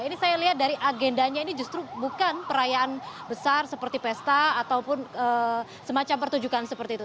ini saya lihat dari agendanya ini justru bukan perayaan besar seperti pesta ataupun semacam pertunjukan seperti itu